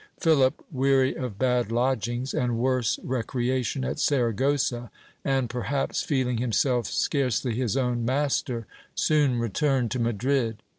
Philip, weary of bad lodgings and worse recreation at Saragossa, and perhaps feeling himself scarcely his own master, soon returned to Madrid.